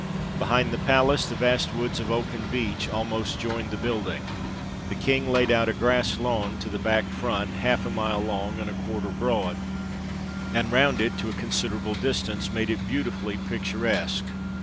Behind the palace, the vast woods of oak and beech, almost joined the building. The King laid out a grass lawn, to the back front, half a mile long, and a quarter broad, and round it to a considerable distance, made it beautifully picturesque.